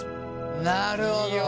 なるほど。